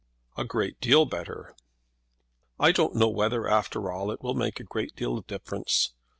"A great deal better." "I don't know whether, after all, it will make a great deal of difference.